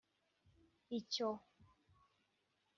Icyo